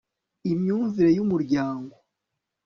imyumvire y'umuryango